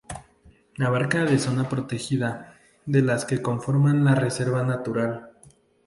Abarca de zona protegida, de las que conforman la Reserva Natural.